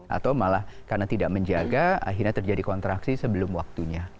atau malah karena tidak menjaga akhirnya terjadi kontraksi sebelum waktunya